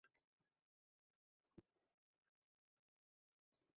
অন্যদের সাথে গিয়ে দাঁড়াও।